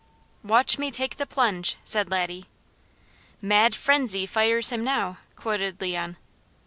"Watch me take the plunge!" said Laddie. "'Mad frenzy fires him now,'" quoted Leon.